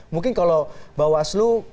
mungkin kalau mbak waslu